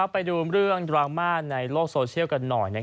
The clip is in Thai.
ไปดูเรื่องดราม่าในโลกโซเชียลกันหน่อย